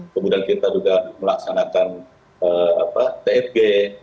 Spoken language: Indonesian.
kemudian kita juga melaksanakan tfg